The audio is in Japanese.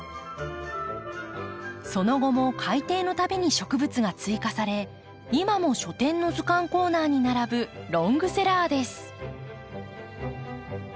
その後も改訂のたびに植物が追加され今も書店の図鑑コーナーに並ぶロングセラーです。